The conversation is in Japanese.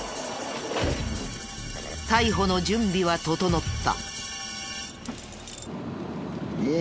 逮捕の準備は整った。